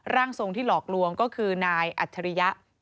ร่างทรงที่หลอกลวงก็คือนายอัจฉริยะ